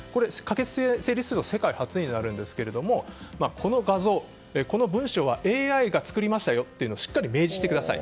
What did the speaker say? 可決・成立は世界初めてですがこの画像、この文章はＡＩが作りましたよとしっかり明示してください。